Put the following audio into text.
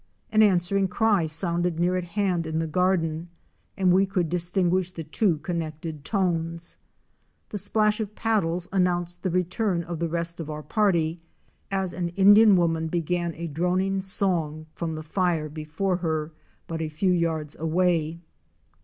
An answering cry sounded near at hand in the garden and we could distinguish the two connected tones. The splash of paddles announced the return of the rest of our party as an Indian woman began a droning song from the fire before her hut a few yards away.